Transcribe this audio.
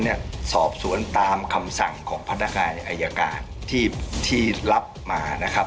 เนี่ยสอบสวนตามคำสั่งของพนักงานอายการที่ที่รับมานะครับ